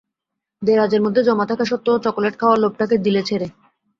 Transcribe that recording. দেরাজের মধ্যে জমা থাকা সত্ত্বেও চকোলেট খাওয়ার লোভটাকে দিলে ছেড়ে।